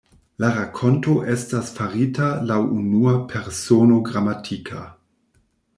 La rakonto estas farita laŭ unua persono gramatika.